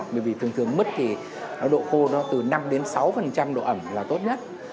bởi vì thường thường mất thì độ khô nó từ năm đến sáu độ ẩm là tốt nhất